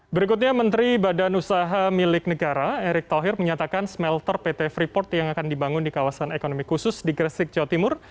berikutnya menteri badan usaha milik negara erick thohir menyatakan smelter pt freeport yang akan dibangun di kawasan ekonomi khusus di gresik jawa timur